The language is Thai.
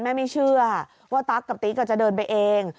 ไม่เชื่อว่าตั๊กกับติ๊กจะเดินไปเอง